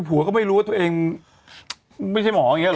นายก็ไม่รู้ว่าตัวเองไม่ใช่หมอกั้นเนี่ยหรอ